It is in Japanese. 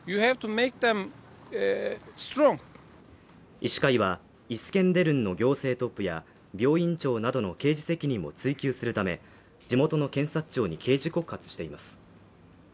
医師会はイスケンデルンの行政トップや病院長などの刑事責任を追及するため、地元の検察庁に刑事告発しています。